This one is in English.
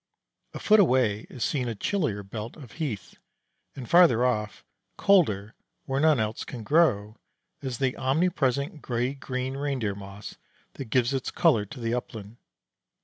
A foot away is seen a chillier belt of heath, and farther off, colder, where none else can grow, is the omnipresent gray green reindeer moss that gives its color to the upland.